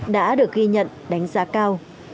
đã được ghi nhận đánh giá cao